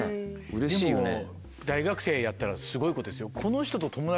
でも大学生やったらすごいことですよ。